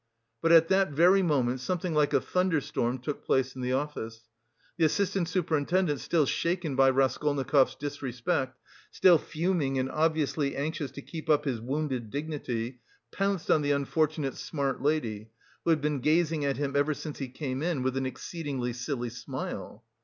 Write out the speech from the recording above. But at that very moment something like a thunderstorm took place in the office. The assistant superintendent, still shaken by Raskolnikov's disrespect, still fuming and obviously anxious to keep up his wounded dignity, pounced on the unfortunate smart lady, who had been gazing at him ever since he came in with an exceedingly silly smile.